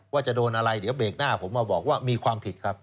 ว่าจะโดนอะไรเดี๋ยวเบรกหน้าผมมาบอกว่ามีความผิดครับ